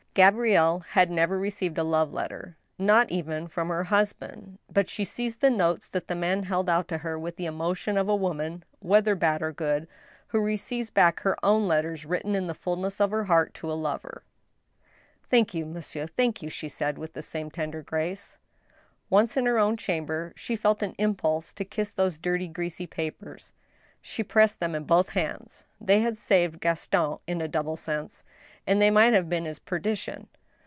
Gabrielle had never received a love letter, not even from her husband, but she seized the notes that the man held out to her with the emotion of a woman (whether bad or good) who receives back her own letters written in the fullness of her heart to a lover. Il8 THE STEEL HAMMER. "Thank you, monsieur — thank you," she said, with the skme tender grace. Once in her own chamber, she felt an impulse to kiss those dirty, greasy papers. She pressed them in both her hands. They had saved Gaston in a double sense — and they might have been his perdition.